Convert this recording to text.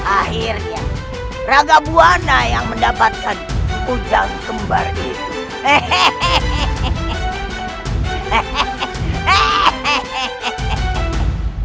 akhirnya ragabuana yang mendapatkan hujan kembar itu hehehe hehehe hehehe hehehe hehehe